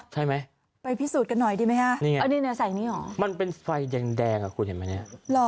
หรอไปพิสูจน์กันหน่อยดีไม่คะนี่เหรอมันเป็นไฟแดงอะคุณเห็นมั้ย